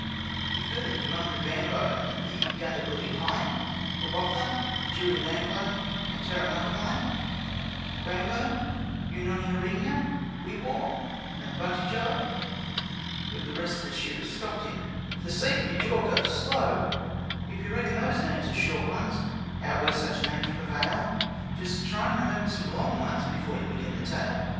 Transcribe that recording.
'You've heard of Mungrybambone and the Gundabluey pine, Quobbotha, Girilambone, and Terramungamine, Quambone, Eunonyhareenyha, Wee Waa, and Buntijo ' But the rest of the shearers stopped him: 'For the sake of your jaw, go slow, If you reckon those names are short ones out where such names prevail, Just try and remember some long ones before you begin the tale.'